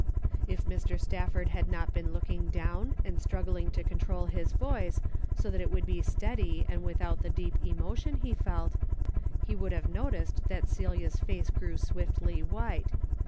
If Mr. Stafford had not been looking down and struggling to control his voice, so that it would be steady and without the deep emotion he felt, he would have noticed that Celia's face grew swiftly white.